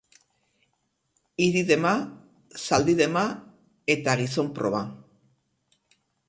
Idi-dema, zaldi-dema eta gizon-proba.